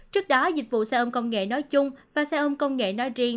trước đó dịch vụ xe ôm công nghệ nói chung và xe ôm công nghệ nói riêng